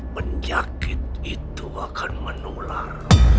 penyakit itu akan menular